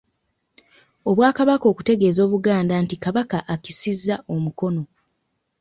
Obwakabaka okutegeeza Obuganda nti nti Kabaka akisizza omukono.